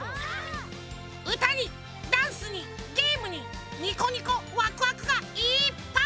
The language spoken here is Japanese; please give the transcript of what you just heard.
うたにダンスにゲームにニコニコワクワクがいっぱい！